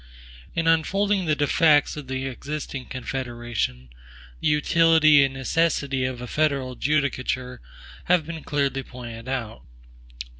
In unfolding the defects of the existing Confederation, the utility and necessity of a federal judicature have been clearly pointed out.